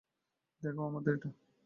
দেখাও আমাদের এটা।